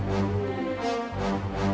kak tiara tiara